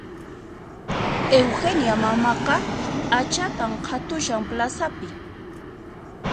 Eugenia mamaqa p'achatan qhatushan plazapi